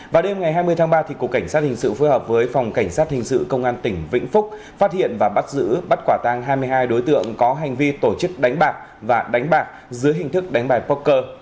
vào đêm ngày hai mươi tháng ba cục cảnh sát hình sự phối hợp với phòng cảnh sát hình sự công an tỉnh vĩnh phúc phát hiện và bắt giữ bắt quả tang hai mươi hai đối tượng có hành vi tổ chức đánh bạc và đánh bạc dưới hình thức đánh bài poker